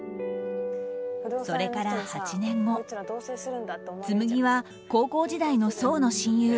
それから８年後紬は高校時代の想の親友